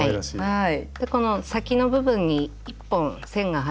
はい。